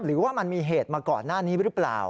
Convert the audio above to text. หรือว่ามันมีเหตุมาก่อนหน้านี้หรือเปล่า